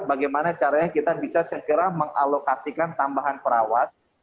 bagaimana caranya kita bisa segera mengalokasikan tambahan perawat